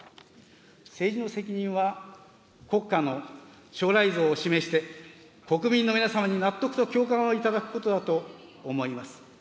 政治の責任は、国家の将来像を示して、国民の皆様に納得と共感をいただくことだと思います。